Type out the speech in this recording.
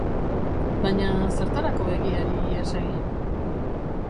Baina zertarako egiari ihes egin?